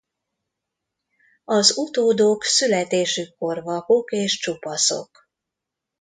Az utódok születésükkor vakok és csupaszok.